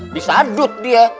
bisa dud dia